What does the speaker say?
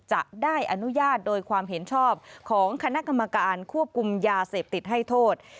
จะได้อนุญาตโดยความเห็นชอบของคณะกรรมการควบคุมยาเสพติดให้โทษ